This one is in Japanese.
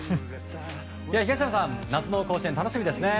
東山さん、夏の甲子園楽しみですね。